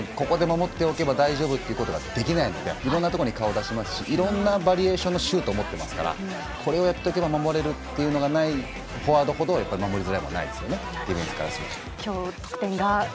ここで守っておけば大丈夫ということができないのでいろんなバリエーションのシュートを持っていますからこれをやっておけば守れるっていうのがないフォワードほど守りづらいものはないですよね。